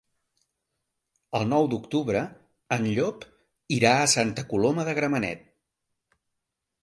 El nou d'octubre en Llop irà a Santa Coloma de Gramenet.